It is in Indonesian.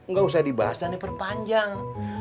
gak usah dibahasan nih perpanjang